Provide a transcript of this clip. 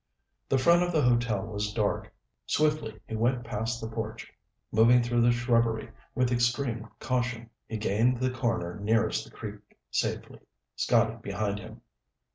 The front of the hotel was dark. Swiftly he went past the porch, moving through the shrubbery with extreme caution. He gained the corner nearest the creek safely, Scotty behind him.